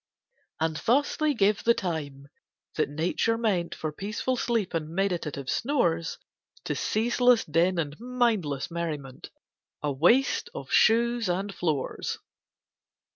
And thus they give the time, that Nature meant For peaceful sleep and meditative snores, To ceaseless din and mindless merriment And waste of shoes and floors.